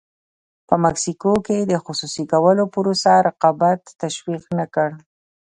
په مکسیکو کې د خصوصي کولو پروسه رقابت تشویق نه کړ.